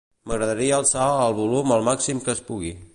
M'agradaria alçar el volum al màxim que es pugui.